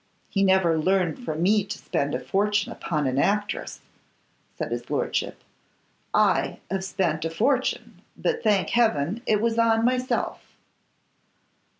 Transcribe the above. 'He never learned from me to spend a fortune upon an actress,' said his lordship. 'I ave spent a fortune, but, thank heaven, it was on myself.